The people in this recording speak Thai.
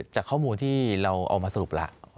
จากข้อมูลที่เราเอามาสรุปแล้ว